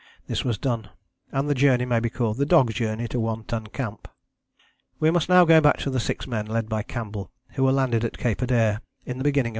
This was done, and the journey may be called the Dog Journey to One Ton Camp. We must now go back to the six men led by Campbell who were landed at Cape Adare in the beginning of 1911.